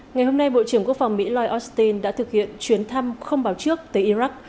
ngày hôm nay bộ trưởng quốc phòng mỹ lloyd austin đã thực hiện chuyến thăm không báo trước tới iraq